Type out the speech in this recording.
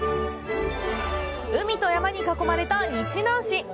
海と山に囲まれた日南市。